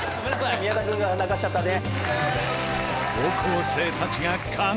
「宮田君が泣かせちゃったね」